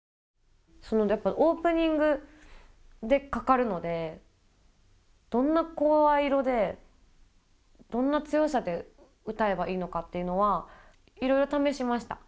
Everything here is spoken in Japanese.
やっぱオープニングでかかるのでどんな声色でどんな強さで歌えばいいのかっていうのはいろいろ試しました。